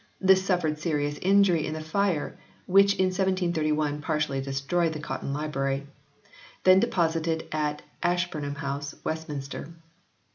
This suffered serious injury in the fire which in 1731 partially destroyed the Cotton Library, then deposited at Ashburnham House, Westminster.